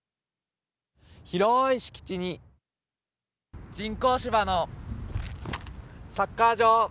広い敷地に人工芝のサッカー場。